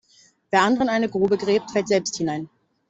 Wer anderen eine Grube gräbt fällt selbst hinein.